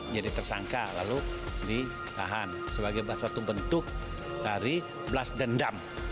jadi tersangka lalu ditahan sebagai satu bentuk dari balas dendam